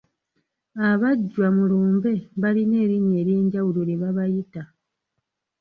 Abajjwa mu lumbe balina erinnya ery'enjawulo lye babayita.